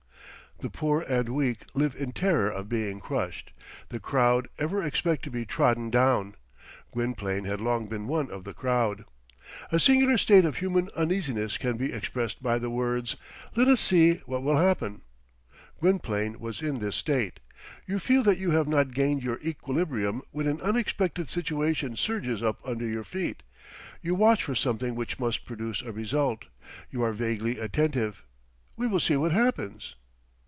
The poor and weak live in terror of being crushed. The crowd ever expect to be trodden down. Gwynplaine had long been one of the crowd. A singular state of human uneasiness can be expressed by the words: Let us see what will happen. Gwynplaine was in this state. You feel that you have not gained your equilibrium when an unexpected situation surges up under your feet. You watch for something which must produce a result. You are vaguely attentive. We will see what happens.